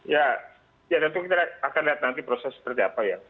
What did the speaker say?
ya ya tentu kita akan lihat nanti proses seperti apa ya